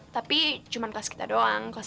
tapi cuman kelas kita doang kelas satu